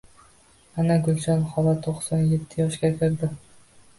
Ana, Gulshan xola, to‘qson yetti yoshga kirdi